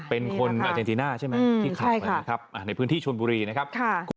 เป็นคนอาเจนติน่าใช่ไหมในพื้นที่ชนบุรีนะครับ